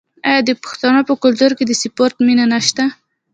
آیا د پښتنو په کلتور کې د سپورت مینه نشته؟